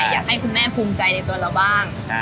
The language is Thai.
อยากให้คุณแม่ภูมิใจในตัวเราบ้าง